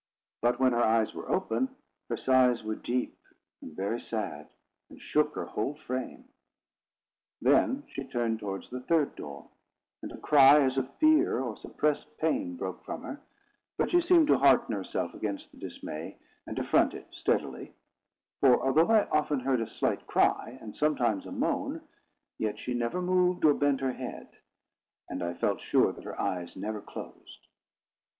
But when her eyes were open, her sighs were deep and very sad, and shook her whole frame. Then she turned towards the third door, and a cry as of fear or suppressed pain broke from her; but she seemed to hearten herself against the dismay, and to front it steadily; for, although I often heard a slight cry, and sometimes a moan, yet she never moved or bent her head, and I felt sure that her eyes never closed.